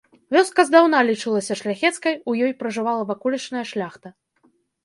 Вёска здаўна лічылася шляхецкай, у ёй пражывала ваколічная шляхта.